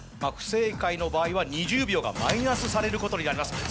不正解の場合は２０秒がマイナスされることになります。